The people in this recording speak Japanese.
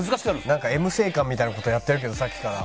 なんかＭ性感みたいな事やってるけどさっきから。